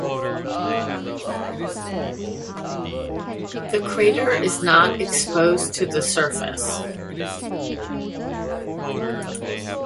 The crater is not exposed to the surface.